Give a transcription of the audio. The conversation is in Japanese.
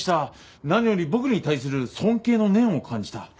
何より僕に対する尊敬の念を感じた。